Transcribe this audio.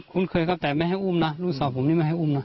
เคยครับแต่ไม่ให้อุ้มนะลูกสาวผมนี่ไม่ให้อุ้มนะ